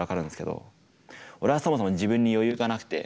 俺はそもそも自分に余裕がなくて。